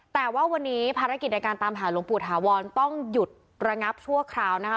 แต่ว่าวันนี้ภารกิจในการตามหาหลวงปู่ถาวรต้องหยุดระงับชั่วคราวนะคะ